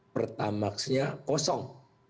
pertamax nya kosong